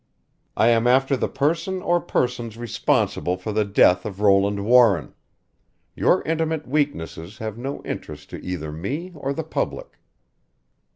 I am after the person or persons responsible for the death of Roland Warren. Your intimate weaknesses have no interest to either me or the public."